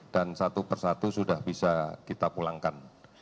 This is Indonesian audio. dan satu persatu sudah bisa kita pulangkan